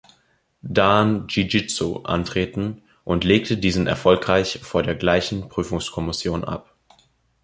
Dan Jiu Jitsu antreten und legte diese erfolgreich vor der gleichen Prüfungskommission ab.